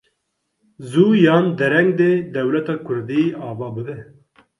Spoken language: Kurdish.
Zû yan dereng dê dewleta Kurdî ava bibe.